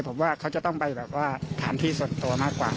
ผมว่าเขาจะต้องไปแบบว่าถามที่ส่วนตัวมากกว่า